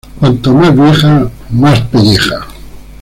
Cuanto más vieja, más pelleja